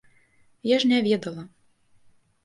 Я ж не ведала.